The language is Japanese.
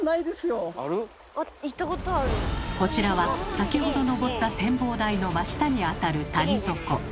こちらは先ほど登った展望台の真下にあたる谷底。